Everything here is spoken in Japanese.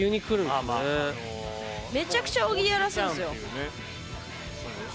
めちゃくちゃ大喜利やらせるんですよ。